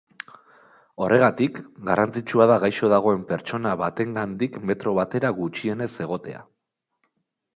Horregatik, garrantzitsua da gaixo dagoen pertsona batengandik metro batera gutxienez egotea.